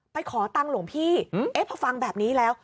ขอตังค์หลวงพี่เอ๊ะพอฟังแบบนี้แล้ว